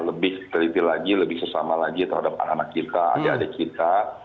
lebih teliti lagi lebih sesama lagi terhadap anak anak kita adik adik kita